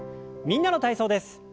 「みんなの体操」です。